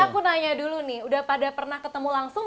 aku nanya dulu nih udah pada pernah ketemu langsung